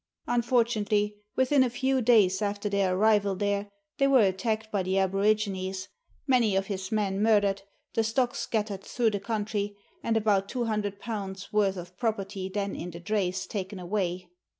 Unfortunately, within a few days after their arrival there, they were attacked by the aborignes, many of his men murdered, the stock scattered through the country, and about 200 worth of property then in the drays taken away.